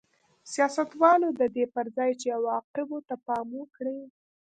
سیاستوالو د دې پر ځای چې عواقبو ته پام وکړي